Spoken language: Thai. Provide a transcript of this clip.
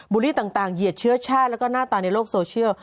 ูลลี่ต่างเหยียดเชื้อชาติแล้วก็หน้าตาในโลกโซเชียล